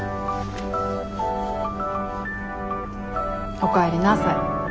おかえりなさい。